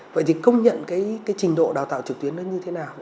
vậy thì công nhận cái trình độ đào tạo trực tuyến nó như thế nào